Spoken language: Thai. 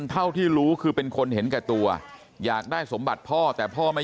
เท่าที่รู้คือเป็นคนเห็นแก่ตัวอยากได้สมบัติพ่อแต่พ่อไม่